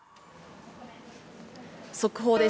速報です。